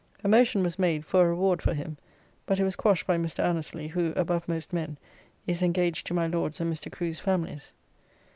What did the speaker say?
A motion was made for a reward for him, but it was quashed by Mr. Annesly, who, above most men, is engaged to my Lord's and Mr. Crew's families.